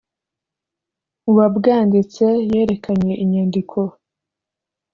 uwabwanditse yerekanye inyandiko